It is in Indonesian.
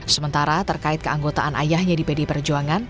sementara terkait keanggotaan ayahnya di pdi perjuangan